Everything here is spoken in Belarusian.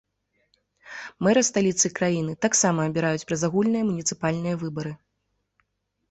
Мэра сталіцы краіны, таксама абіраюць праз агульныя муніцыпальныя выбары.